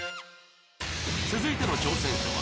［続いての挑戦者は］